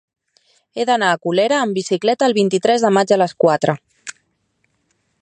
He d'anar a Colera amb bicicleta el vint-i-tres de maig a les quatre.